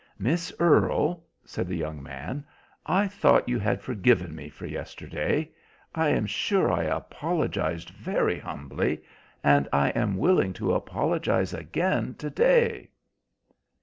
"Miss Earle," said the young man, "I thought you had forgiven me for yesterday. I am sure I apologised very humbly, and am willing to apologise again to day."